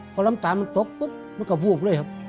พอน้ำตาลมันตกปุ๊บมันก็วูบเลยครับ